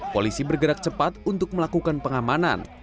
polisi bergerak cepat untuk melakukan pengamanan